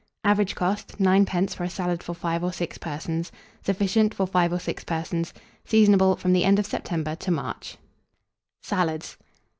Average cost, 9d. for a salad for 5 or 6 persons. Sufficient for 5 or 6 persons. Seasonable from the end of September to March. SALADS.